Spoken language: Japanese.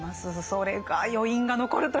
それが余韻が残るというか。